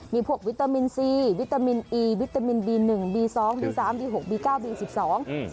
มีผวกวิตามินซีวิตามินอีวิตามินบีหนึ่งบีซ้องสามหลีหกบนกาอิบบีสิบสอง